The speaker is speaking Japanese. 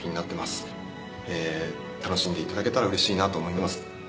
楽しんでいただけたらうれしいなと思います。